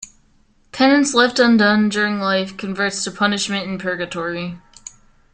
Penance left undone during life converts to punishment in Purgatory.